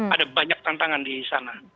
ada banyak tantangan di sana